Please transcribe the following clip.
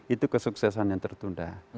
itu kesuksesan yang tertunda